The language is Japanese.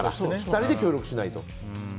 ２人で協力しないと。